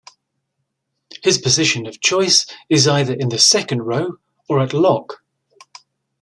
His position of choice is either in the Second Row or at Lock.